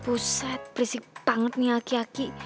puset berisik banget nih aki aki